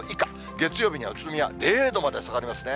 月曜日には宇都宮０度まで下がりますね。